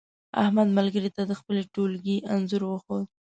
احمد ملګري ته د خپل ټولگي انځور وښود.